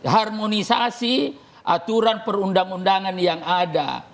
harmonisasi aturan perundang undangan yang ada